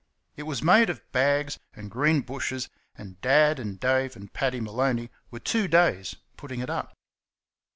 It was made of bags and green bushes, and Dad and Dave and Paddy Maloney were two days putting it up.